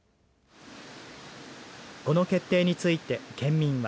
この決定について県民は。